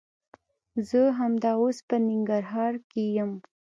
زه همدا اوس په ننګرهار کښي يم.